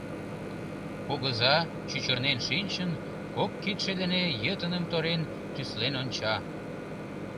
Кугыза чӱчырнен шинчын, кок кидше дене йытыным торен, тӱслен онча...